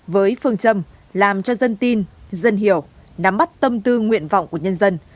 với phương châm làm cho dân tin dân hiểu nắm bắt tâm tư nguyện vọng của nhân dân